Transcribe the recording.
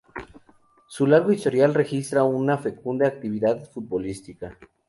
Su largo historial registra una fecunda actividad futbolística.